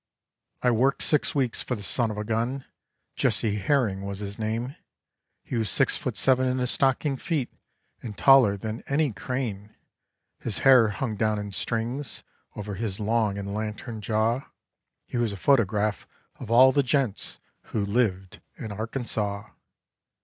I worked six weeks for the son of a gun, Jesse Herring was his name, He was six foot seven in his stocking feet and taller than any crane; His hair hung down in strings over his long and lantern jaw, He was a photograph of all the gents who lived in Arkansaw.